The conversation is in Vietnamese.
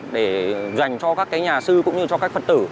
để dành cho các cái nhà sư cũng như cho các phật tử